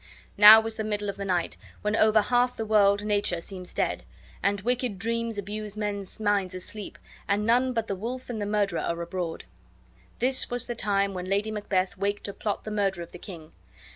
Now was the middle of night, when over half the world nature seems dead, and wicked dreams abuse men's minds asleep, and none but the wolf and the murderer are abroad. This was the time when Lady Macbeth waked to plot the murder of the king.